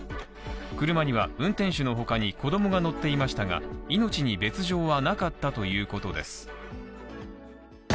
車には運転手の他に子供が乗っていましたが、命に別状はなかったということです。